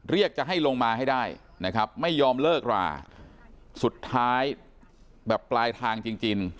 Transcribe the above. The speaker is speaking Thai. จะให้ลงมาให้ได้นะครับไม่ยอมเลิกราสุดท้ายแบบปลายทางจริงจริง